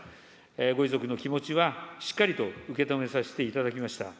ご遺族の気持ちは、しっかりと受け止めさせていただきました。